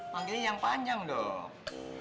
panggilnya yang panjang dong